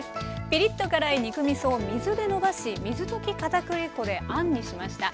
ピリッと辛い肉みそを水でのばし水溶きかたくり粉であんにしました。